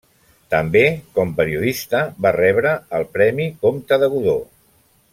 També, com periodista, va rebre el Premi Comte de Godó.